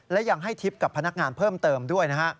และยังให้ทิพย์กับพนักงานเพิ่มเติมด้วยนะฮะ